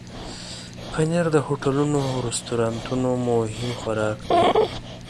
پنېر د هوټلونو او رستورانونو مهم خوراک دی.